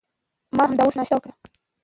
ما همدا اوس ناشته وکړه.